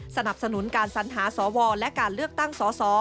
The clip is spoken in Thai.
สนับสนุนการสัญหาสวและการเลือกตั้งสส